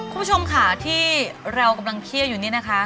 คุณผู้ชมค่ะที่เรากำลังเคี่ยวอยู่นี่นะคะ